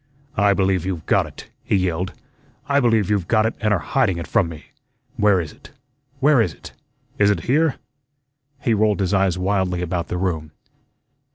"I believe you've got it!" he yelled. "I believe you've got it, an' are hiding it from me. Where is it, where is it? Is it here?" he rolled his eyes wildly about the room.